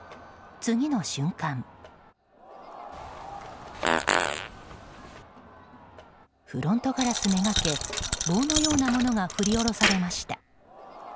次の瞬間、フロントガラスめがけ棒のようなものが振り下ろされました。